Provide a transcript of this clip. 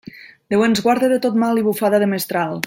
Déu ens guarde de tot mal i bufada de mestral.